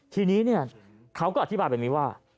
ทีนี้เนี่ยเขาก็อธิบายเป็นมีว่า